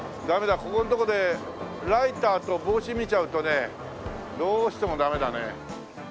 こういうとこでライターと帽子見ちゃうとねどうしてもダメだね。